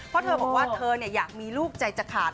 เพราะเธอบอกว่าเธออยากมีลูกใจจะขาด